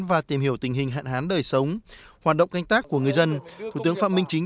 và tìm hiểu tình hình hạn hán đời sống hoạt động canh tác của người dân thủ tướng phạm minh chính